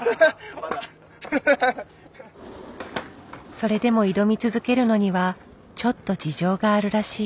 それでも挑み続けるのにはちょっと事情があるらしい。